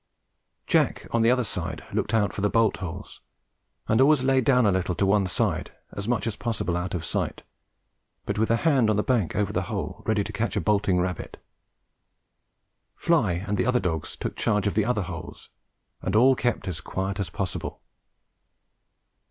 Jack on the other side looked out for the bolt holes, and always laid down a little to one side, as much as possible out of sight, but with a hand just on the bank over the hole ready to catch a bolting rabbit. Fly and the other dogs took charge of the other holes, and all kept as quiet as possible.